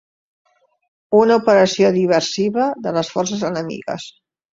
Una operació diversiva de les forces enemigues.